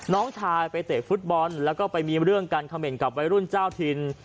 น้องชายไปเตะฟุตบอลแล้วก็ไปมีเรื่องการเขม่นกับวัยรุ่นเจ้าถิ่น